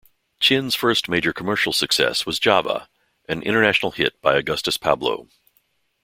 Chin's first major commercial success was "Java", an international hit by Augustus Pablo.